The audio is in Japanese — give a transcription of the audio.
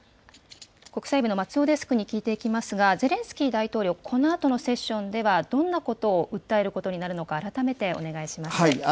国際部の松尾デスクに聞いていきますが、ゼレンスキー大統領、このあとのセッションでは、どんなことを訴えることになるのか、改めてお願いします。